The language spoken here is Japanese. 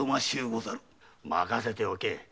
任せておけ。